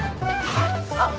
あっ。